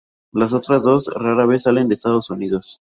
Las otras dos rara vez salen de Estados Unidos.